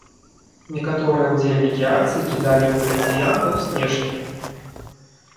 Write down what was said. Некаторыя ўдзельнікі акцый кідалі ў паліцыянтаў снежкі.